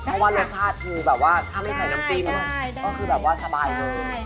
เพราะว่ารสชาติคือแบบว่าถ้าไม่ใส่น้ำจิ้มก็คือแบบว่าสบายเลย